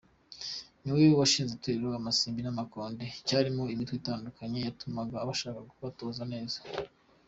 Ni we washinze itorero Amasimbi n’Amakombe ryarimo imitwe itandukanye yatumaga abasha kubatoza neza.